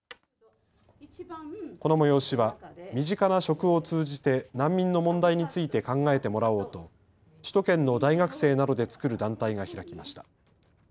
この催しは身近な食を通じて難民の問題について考えてもらおうと首都圏の大学生などで作る団体が開きました。